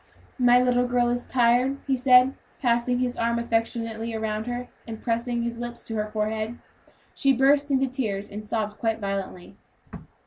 "My little girl is tired," he said, passing his arm affectionately around her, and pressing his lips on her forehead. She burst into tears, and sobbed quite violently.